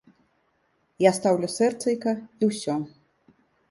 Я стаўлю сэрцайка, і ўсё.